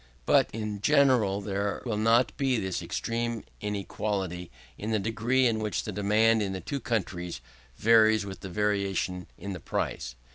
But in general there will not be this extreme inequality in the degree in which the demand in the two countries varies with variations in the price.